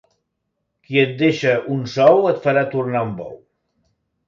Qui et deixa un sou et farà tornar un bou.